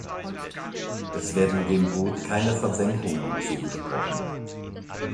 Es werden dem Boot keine Versenkungen zugesprochen.